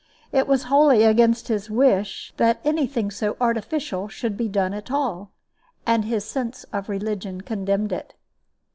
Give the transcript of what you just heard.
It was wholly against his wish that any thing so artificial should be done at all, and his sense of religion condemned it.